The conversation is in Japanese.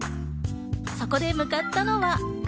そこで向かったのは。